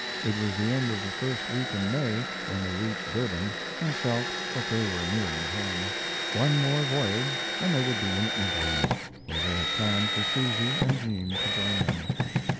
It was the end of the first week in May when they reached Durban and felt that they were nearing home. One more voyage and they would be in England, where they had planned for Susy and Jean to join them. Mrs.